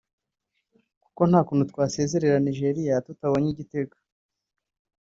kuko nta kuntu twasezerera Nigeria tutabonye igitego